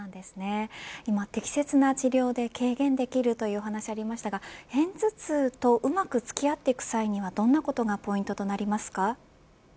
適切な治療で軽減できるというお話がありましたが片頭痛とうまくつき合っていく際にはどんなことがポイントとなりますか。